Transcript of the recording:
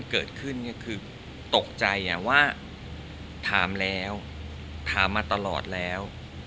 เกิดขึ้นคือตกใจว่าถามแล้วถามมาตลอดแล้ว